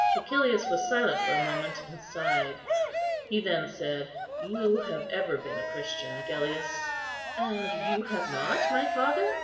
Cæcilius was silent for a moment, and sighed; he then said, "You have ever been a Christian, Agellius." "And you have not, my father?"